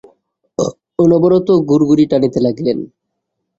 অনবরত গুড়গুড়ি টানিতে লাগিলেন।